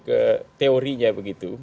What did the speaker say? ke teorinya begitu